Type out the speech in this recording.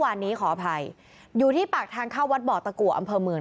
วันนี้ขออภัยอยู่ที่ปากทางเข้าวัดบ่อตะกัวอำเภอเมือง